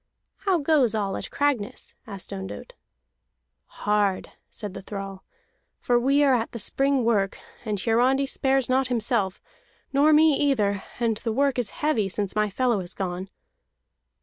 "How goes all at Cragness?" asked Ondott. "Hard," said the thrall, "for we are at the spring work; and Hiarandi spares not himself, nor me either, and the work is heavy since my fellow is gone."